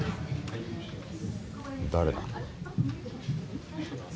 誰だ？